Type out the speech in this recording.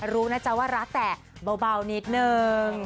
รู้นะจ๊ะว่ารักแต่เบานิดนึง